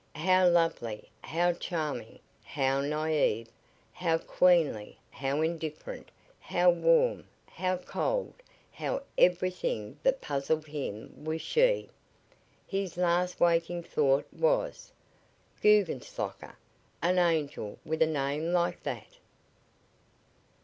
How lovely, how charming, how naive, how queenly, how indifferent, how warm, how cold how everything that puzzled him was she. His last waking thought was: "Guggenslocker! An angel with a name like that!"